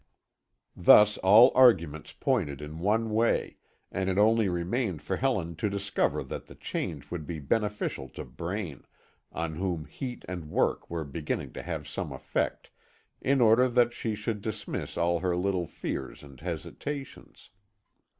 Thus all arguments pointed in one way, and it only remained for Helen to discover that the change would be beneficial to Braine, on whom heat and work were beginning to have some effect, in order that she should dismiss all her little fears and hesitations.